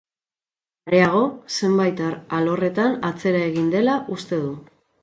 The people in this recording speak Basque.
Areago, zenbait alorretan atzera egin dela uste du.